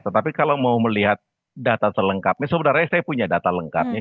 tetapi kalau mau melihat data selengkapnya sebenarnya saya punya data lengkapnya